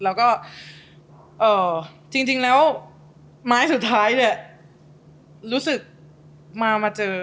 แล้วก็จริงแล้วไม้สุดท้ายเนี่ยรู้สึกมาเจอ